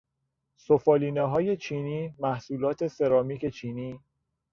سفالینههای چینی، محصولات سرامیک چینی